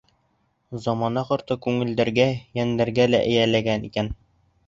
Замана ҡорто күңелдәргә, йәндәргә лә эйәләгән икән.